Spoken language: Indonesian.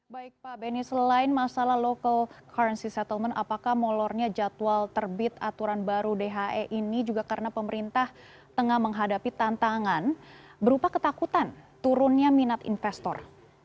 baik pak benny selain masalah local currency settlement apakah molornya jadwal terbit aturan baru dhe ini juga karena pemerintah tengah menghadapi tantangan berupa ketakutan turunnya minat investor